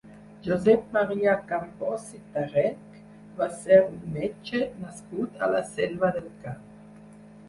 Josep Maria Campos i Tarrech va ser un metge nascut a la Selva del Camp.